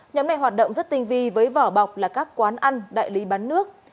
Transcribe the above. nhóm này hoạt động rất tinh vi với vỏ bọc là các quán ăn đại lý bán nước